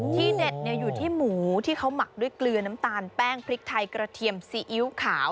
ที่เด็ดอยู่ที่หมูที่เขาหมักด้วยเกลือน้ำตาลแป้งพริกไทยกระเทียมซีอิ๊วขาว